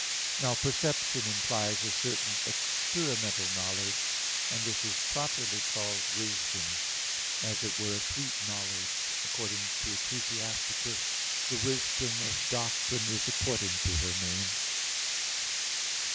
Now perception implies a certain experimental knowledge; and this is properly called wisdom [sapientia], as it were a sweet knowledge [sapida scientia], according to Ecclus. 6:23: "The wisdom of doctrine is according to her name."